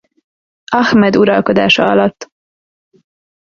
Ahmed uralkodása alatt.